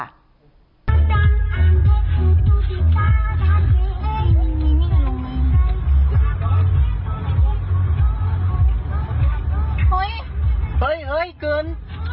เฮ้ยเกิน